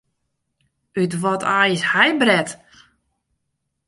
Ut wat aai is hy bret?